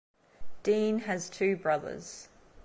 Dean has two brothers.